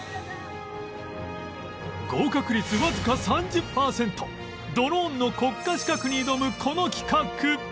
合格率わずか３０パーセントドローンの国家資格に挑むこの企画